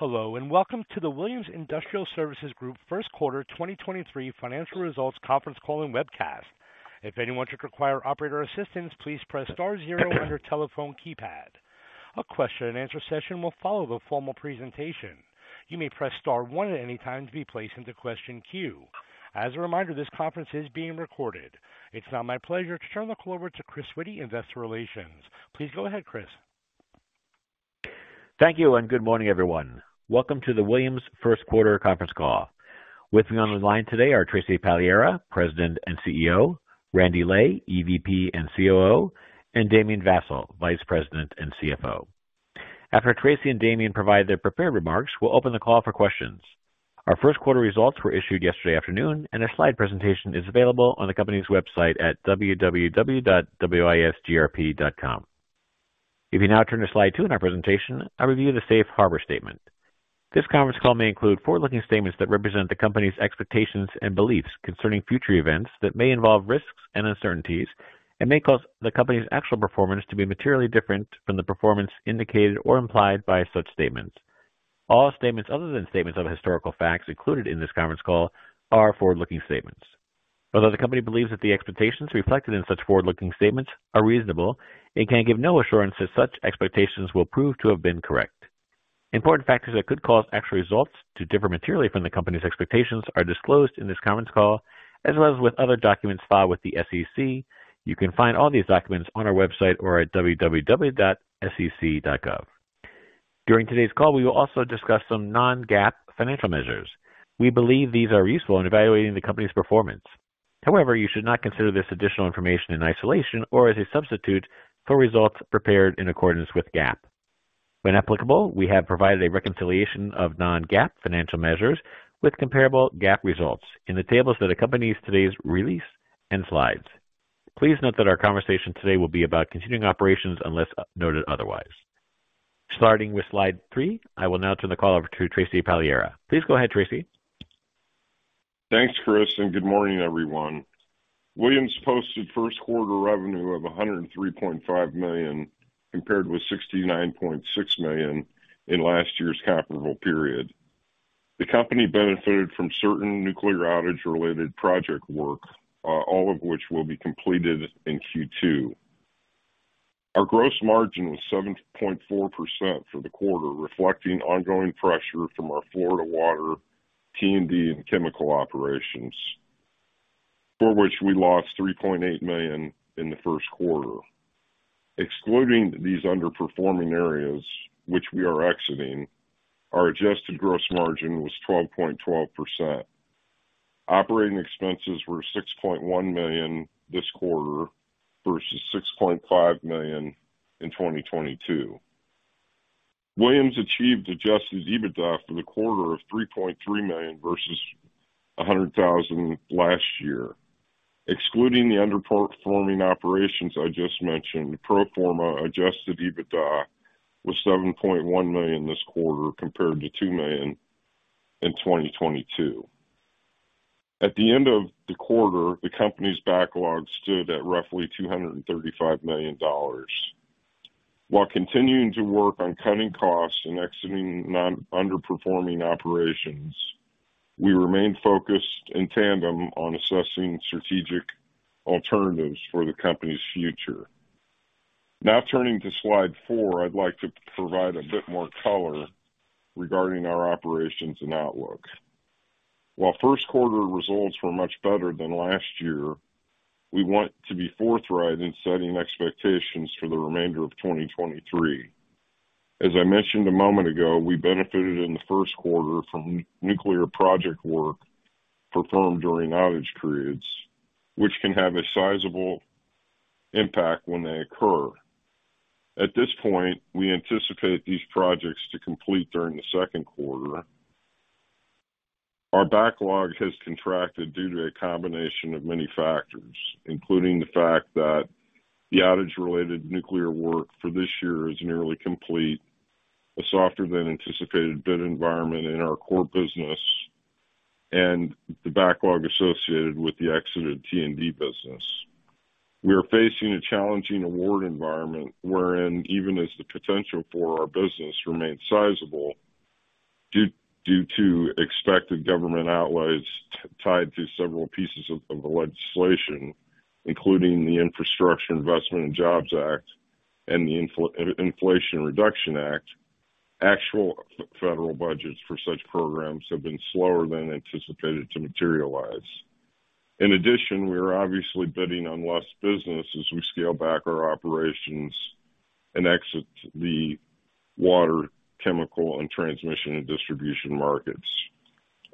Hello, welcome to the Williams Industrial Services Group First Quarter 2023 Financial Results Conference Call and Webcast. If anyone should require operator assistance, please press star zero on your telephone keypad. A question-and-answer session will follow the formal presentation. You may press star 1 at any time to be placed into question queue. As a reminder, this conference is being recorded. It's now my pleasure to turn the call over to Chris Witty, Investor Relations. Please go ahead, Chris. Thank you. Good morning, everyone. Welcome to the Williams First Quarter Conference Call. With me on the line today are Tracy Pagliara, President and CEO, Randy Lay, EVP and COO, and Damien Vassall, Vice President and CFO. After Tracy and Damien provide their prepared remarks, we'll open the call for questions. Our first quarter results were issued yesterday afternoon, and a slide presentation is available on the company's website at www.wisgrp.com. If you now turn to slide two in our presentation, a review of the safe harbor statement. This conference call may include forward-looking statements that represent the company's expectations and beliefs concerning future events that may involve risks and uncertainties and may cause the company's actual performance to be materially different from the performance indicated or implied by such statements. All statements other than statements of historical facts included in this conference call are forward-looking statements. Although the company believes that the expectations reflected in such forward-looking statements are reasonable, it can give no assurance that such expectations will prove to have been correct. Important factors that could cause actual results to differ materially from the company's expectations are disclosed in this conference call as well as with other documents filed with the SEC. You can find all these documents on our website or at www.sec.gov. During today's call, we will also discuss some non-GAAP financial measures. We believe these are useful in evaluating the company's performance. However, you should not consider this additional information in isolation or as a substitute for results prepared in accordance with GAAP. When applicable, we have provided a reconciliation of non-GAAP financial measures with comparable GAAP results in the tables that accompanies today's release and slides. Please note that our conversation today will be about continuing operations unless noted otherwise. Starting with slide three, I will now turn the call over to Tracy Pagliara. Please go ahead, Tracy. Thanks, Chris, and good morning, everyone. Williams posted first quarter revenue of $103.5 million, compared with $69.6 million in last year's comparable period. The company benefited from certain nuclear outage-related project work, all of which will be completed in Q2. Our gross margin was 7.4% for the quarter, reflecting ongoing pressure from our Florida Water, T&D, and chemical operations, for which we lost $3.8 million in the first quarter. Excluding these underperforming areas, which we are exiting, our adjusted gross margin was 12.12%. Operating expenses were $6.1 million this quarter versus $6.5 million in 2022. Williams achieved adjusted EBITDA for the quarter of $3.3 million versus $100,000 last year. Excluding the underperforming operations I just mentioned, pro forma adjusted EBITDA was $7.1 million this quarter compared to $2 million in 2022. At the end of the quarter, the company's backlog stood at roughly $235 million. While continuing to work on cutting costs and exiting underperforming operations, we remain focused in tandem on assessing strategic alternatives for the company's future. Turning to slide four, I'd like to provide a bit more color regarding our operations and outlook. While first quarter results were much better than last year, we want to be forthright in setting expectations for the remainder of 2023. As I mentioned a moment ago, we benefited in the first quarter from nuclear project work performed during outage periods, which can have a sizable impact when they occur. At this point, we anticipate these projects to complete during the second quarter. Our backlog has contracted due to a combination of many factors, including the fact that the outage-related nuclear work for this year is nearly complete, a softer-than-anticipated bid environment in our core business, and the backlog associated with the exited T&D business. We are facing a challenging award environment wherein even as the potential for our business remains sizable due to expected government outlays tied to several pieces of the legislation, including the Infrastructure Investment and Jobs Act and the Inflation Reduction Act. Actual federal budgets for such programs have been slower than anticipated to materialize. In addition, we are obviously bidding on less business as we scale back our operations and exit the water, chemical, and transmission and distribution markets.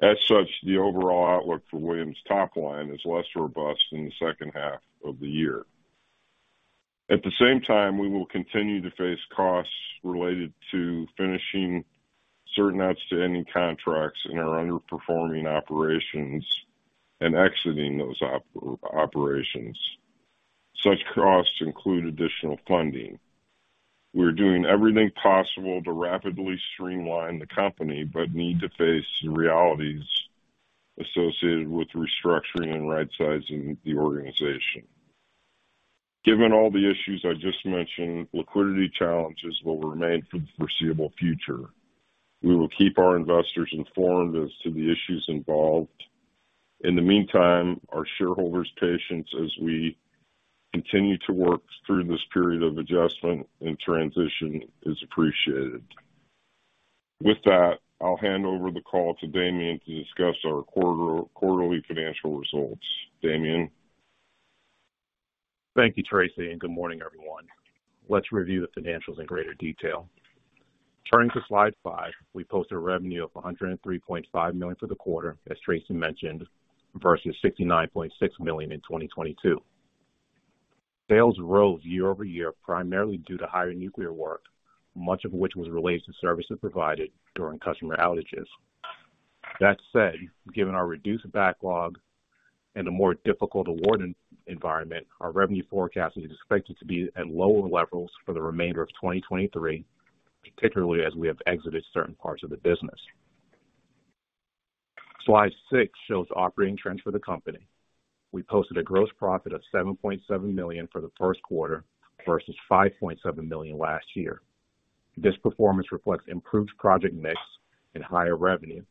As such, the overall outlook for Williams' top line is less robust in the second half of the year. At the same time, we will continue to face costs related to finishing certain outstanding contracts in our underperforming operations and exiting those operations. Such costs include additional funding. We're doing everything possible to rapidly streamline the company, but need to face the realities associated with restructuring and rightsizing the organization. Given all the issues I just mentioned, liquidity challenges will remain for the foreseeable future. We will keep our investors informed as to the issues involved. In the meantime, our shareholders' patience as we continue to work through this period of adjustment and transition is appreciated. With that, I'll hand over the call to Damien to discuss our quarterly financial results. Damien? Thank you, Tracy, and good morning, everyone. Let's review the financials in greater detail. Turning to slide five. We posted revenue of $103.5 million for the quarter, as Tracy mentioned, versus $69.6 million in 2022. Sales rose year-over-year primarily due to higher nuclear work, much of which was related to services provided during customer outages. That said, given our reduced backlog and a more difficult award environment, our revenue forecast is expected to be at lower levels for the remainder of 2023, particularly as we have exited certain parts of the business. Slide six shows operating trends for the company. We posted a gross profit of $7.7 million for the first quarter versus $5.7 million last year. This performance reflects improved project mix and higher revenue,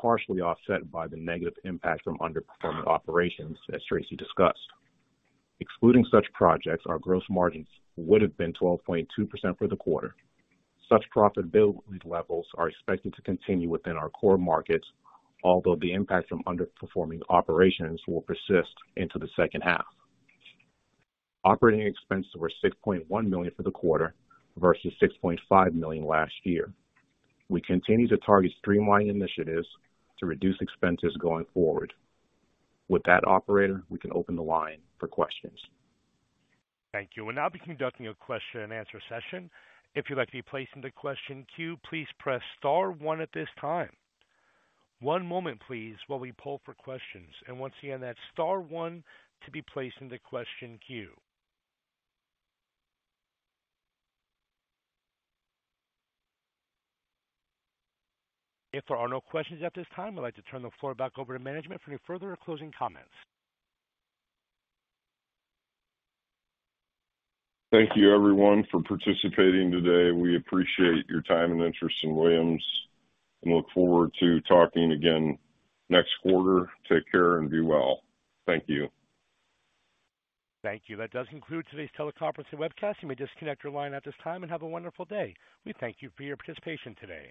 partially offset by the negative impact from underperforming operations, as Tracy discussed. Excluding such projects, our gross margins would have been 12.2% for the quarter. Such profitability levels are expected to continue within our core markets, although the impact from underperforming operations will persist into the second half. Operating expenses were $6.1 million for the quarter versus $6.5 million last year. We continue to target streamlining initiatives to reduce expenses going forward. With that operator, we can open the line for questions. Thank you. We'll now be conducting a question and answer session. If you'd like to be placed into question queue, please press star one at this time. One moment, please, while we pull for questions. Once again, that's star one to be placed in the question queue. If there are no questions at this time, I'd like to turn the floor back over to management for any further closing comments. Thank you, everyone, for participating today. We appreciate your time and interest in Williams and look forward to talking again next quarter. Take care and be well. Thank you. Thank you. That does conclude today's teleconference and webcast. You may disconnect your line at this time and have a wonderful day. We thank you for your participation today.